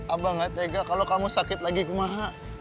abah gak tega kalo kamu sakit lagi kemah